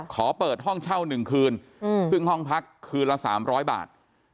ขอเปิดห้องเช่า๑คืนซึ่งห้องพักคืนละ๓๐๐บาท